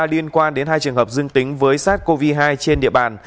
liên quan đến hai trường hợp dương tính với sars cov hai trên địa bàn